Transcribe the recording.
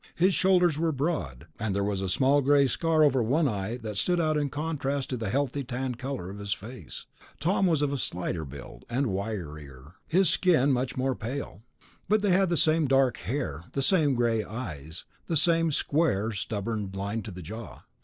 His shoulders were broad, and there was a small gray scar over one eye that stood out in contrast to the healthy tanned color of his face. Tom was of slighter build, and wirier, his skin much more pale. But they had the same dark hair, the same gray eyes, the same square, stubborn line to the jaw.